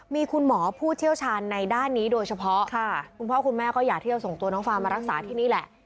มีคุณหมอผู้เชี่ยวชาญในด้านนี้โดยเฉพาะคุณพ่อคุณแม่ก็อยากที่จะส่งตัวน้องฟาร์มมารักษาที่นี่แหละ